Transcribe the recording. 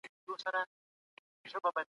موږ کولای د خپلو تېروتنو نه عبرت واخلو.